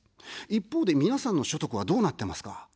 一方で、皆さんの所得はどうなってますか。